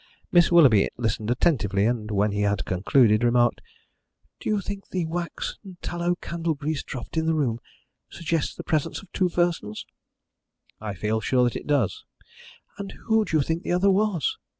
Miss Willoughby listened attentively, and, when he had concluded, remarked: "Do you think the wax and tallow candle grease dropped in the room suggests the presence of two persons?" "I feel sure that it does." "And who do you think the other was?"